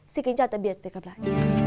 xin kính chào tạm biệt và hẹn gặp lại